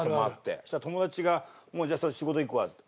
そしたら友達がもうじゃあそろそろ仕事行くわっつって。